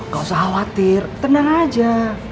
gak usah khawatir tenang aja